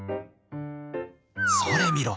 「それ見ろ！